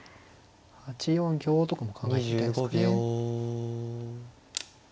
８四香とかも考えてみたいですかね。